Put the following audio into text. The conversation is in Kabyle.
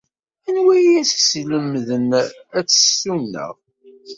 Anwa ay as-yeslemden ad tessuneɣ?